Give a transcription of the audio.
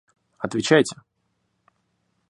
Отвечайте.